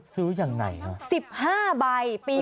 ซื้อยังไหนครับ๑๕ใบปี๖๑